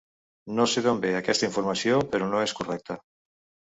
No sé d’on ve aquesta informació, però no és correcta.